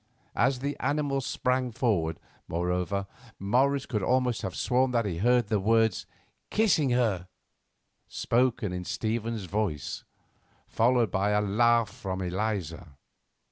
As the animal sprang forward, moreover, Morris could almost have sworn that he heard the words "kissing her," spoken in Stephen's voice, followed by a laugh from Eliza.